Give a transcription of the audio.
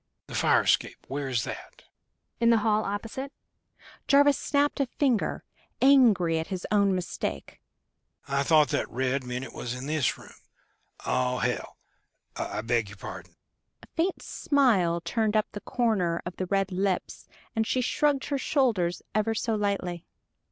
"The fire escape where is that?" "In the hall opposite." Jarvis snapped a finger, angry at his own mistake. "I thought that red meant it was in this room. Oh, hell!... I beg your pardon!" A faint smile turned up the corner of the red lips, and she shrugged her shoulders ever so lightly.